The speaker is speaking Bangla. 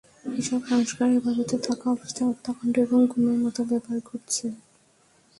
এসব সংস্থার হেফাজতে থাকা অবস্থায় হত্যাকাণ্ড এবং গুমের মতো ব্যাপার ঘটছে।